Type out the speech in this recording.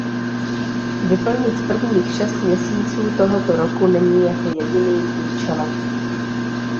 Vyplnit prvních šest měsíců tohoto roku není jeho jediným účelem.